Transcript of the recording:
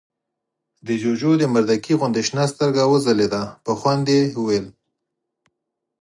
د جُوجُو د مردکۍ غوندې شنه سترګه وځلېده، په خوند يې وويل: